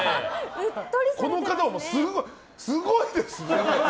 この方もすごいですね。